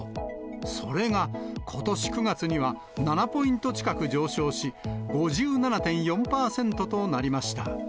それがことし９月には７ポイント近く上昇し、５７．４％となりました。